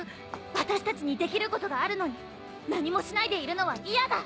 私たちにできることがあるのに何もしないでいるのは嫌だ！